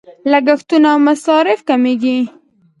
لګښتونه او مصارف کمیږي.